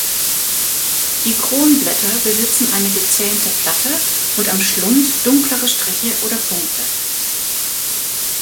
Die Kronblätter besitzen eine gezähnte Platte und am Schlund dunklere Striche oder Punkte.